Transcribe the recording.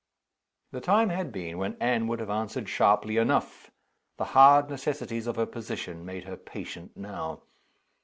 The time had been when Anne would have answered sharply enough. The hard necessities of her position made her patient now.